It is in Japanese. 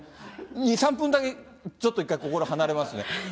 ２、３分だけちょっと、心離れますね。